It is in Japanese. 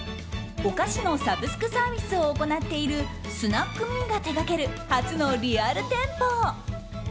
お菓子のサブスクサービスを行っているスナックミーが手がける、初のリアル店舗。